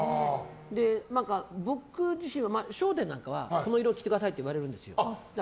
僕自身は「笑点」なんかはこの色を着てくださいって言われるんですよ。